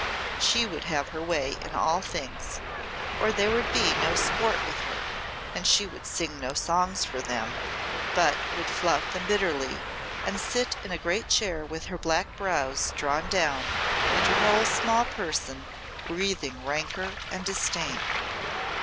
She would have her way in all things, or there should be no sport with her, and she would sing no songs for them, but would flout them bitterly, and sit in a great chair with her black brows drawn down, and her whole small person breathing rancour and disdain.